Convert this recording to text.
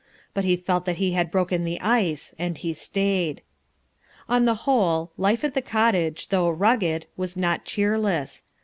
But he felt that he had broken the ice and he stayed. On the whole, life at the cottage, though rugged, was not cheerless.